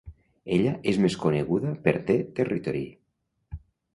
Ella és més coneguda per "The Territory".